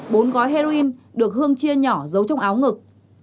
bốn gói heroin được hương chia nhỏ giấu trong áo ngực